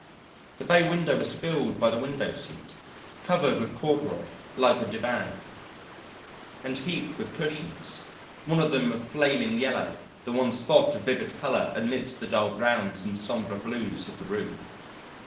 The bay window was filled by the window seat, covered with corduroy like the divan and heaped with cushions, one of them of flaming yellow, the one spot of vivid colour amidst the dull browns and sombre blues of the room.